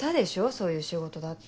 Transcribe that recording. そういう仕事だって。